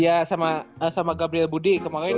iya sama gabriel budi kemarin